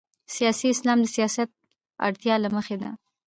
سیاسي اسلام د سیاست اړتیا له مخې ده.